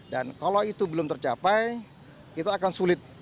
dan kalau itu belum tercapai kita akan sulit